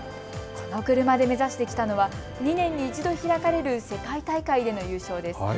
この車で目指してきたのは２年に一度開かれる世界大会での優勝です。